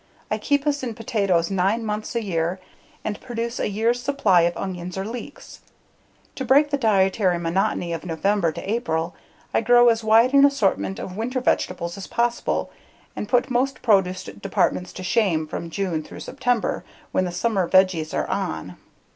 I keep us in potatoes nine months a year and produce a year's supply of onions or leeks. To break the dietary monotony of November to April, I grow as wide an assortment of winter vegetables as possible and put most produce departments to shame from June through September, when the summer vegies are "on."